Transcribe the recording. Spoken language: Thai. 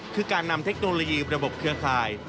คือการนำเทคโนโลยีระบบเครือข่าย